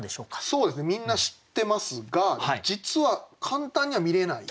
そうですねみんな知ってますが実は簡単には見れない。